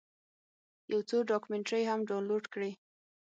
یو څو ډاکمنټرۍ هم ډاونلوډ کړې.